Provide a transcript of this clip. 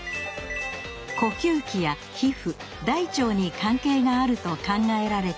呼吸器や皮膚大腸に関係があると考えられています。